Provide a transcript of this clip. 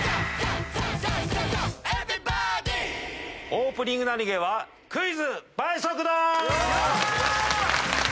オープニングナニゲーはクイズ・倍速ドン！